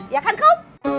ya kan kom